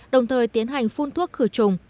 đồng thời tiến hành phun thuốc khử trùng